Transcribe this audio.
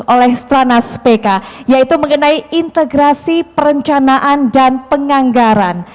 oleh strana spk yaitu mengenai integrasi perencanaan dan penganggaran